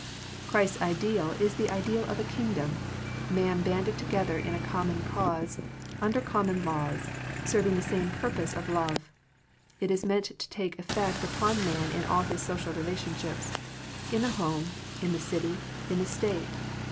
Christ's ideal is the ideal of a Kingdom, men banded together in a common cause, under common laws, serving the same purpose of love. It is meant to take ef fect upon man in all his social relation ships, in the home, in the city, in the state.